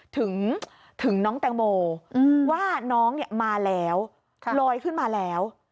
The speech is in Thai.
ถึงน้องแตงโมว่าน้องมาแล้วลอยขึ้นมาแล้ว